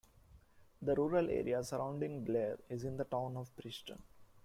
The rural area surrounding Blair is in the Town of Preston.